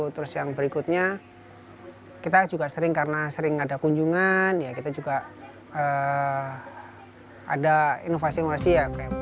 terus yang berikutnya kita juga sering karena sering ada kunjungan ya kita juga ada inovasi inovasi yang